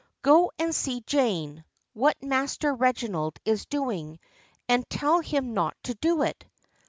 " Go and see, Jane, what Master Reginald is doing, and tell him not to do it!"